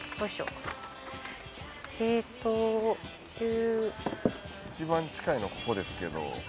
いちばん近いのここですけど。